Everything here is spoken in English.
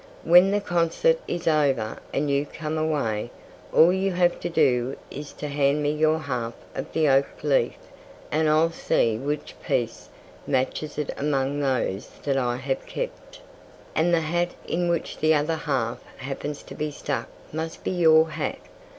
When the concert is over and you come away, all you have to do is to hand me your half of the oak leaf and I'll see which piece matches it among those that I have kept. And the hat in which the other half happens to be stuck must be your hat.